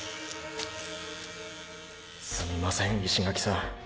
すみません石垣さん。